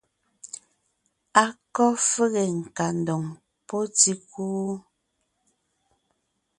A kɔ́ fege nkandoŋ pɔ́ tíkú?